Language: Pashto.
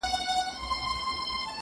د نامه له يادولو يې بېرېږي-